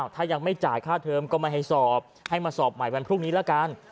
ถ้ายังไม่จ่ายค่าเทอมก็ไม่ให้สอบให้มาสอบใหม่วันพรุ่งนี้ละกัน